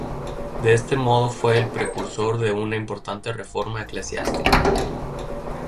De este modo fue el precursor de una importante reforma eclesiástica.